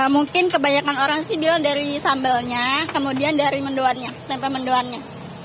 mungkin kebanyakan orang sih bilang dari sambalnya kemudian dari mendoannya tempe mendoannya